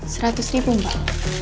seratus ribu mbak